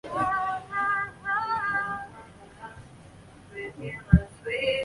麻叶豆腐柴为马鞭草科豆腐柴属下的一个种。